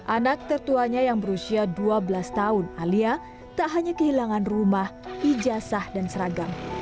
anak tertuanya yang berusia dua belas tahun alia tak hanya kehilangan rumah ijazah dan seragam